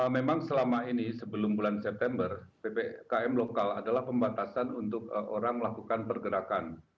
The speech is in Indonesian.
memang selama ini sebelum bulan september ppkm lokal adalah pembatasan untuk orang melakukan pergerakan